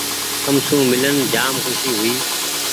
تم سون مي لين جآم کوشي هوئي ۔